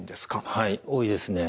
はい多いですね。